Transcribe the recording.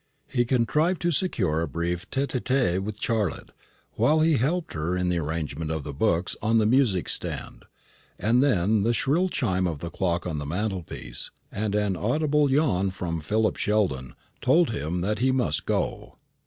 He contrived to secure a brief tête à tête with Charlotte while he helped her in the arrangement of the books on the music stand, and then the shrill chime of the clock on the mantelpiece, and an audible yawn from Philip Sheldon, told him that he must go.